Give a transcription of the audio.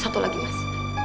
satu lagi mas